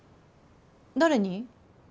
誰に？